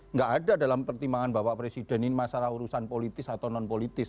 nggak ada dalam pertimbangan bapak presiden ini masalah urusan politis atau non politis